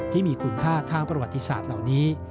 ที่มีคุณค่าทางประวัติศาสตร์เหล่านี้